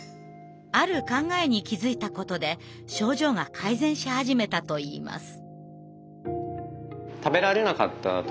ある考えに気づいたことで症状が改善し始めたといいます。